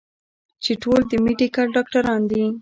چې ټول د ميډيکل ډاکټران دي